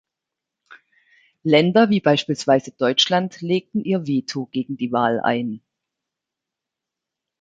Länder wie beispielsweise Deutschland legten ihr Veto gegen die Wahl ein.